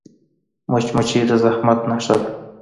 مچمچۍ د زحمت نښه ده